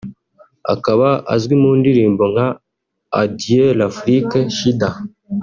akaba azwi mu ndirimbo nka ‘A Dieu l’Afrique Shida’